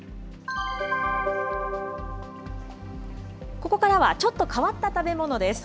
ここからはちょっと変わった食べ物です。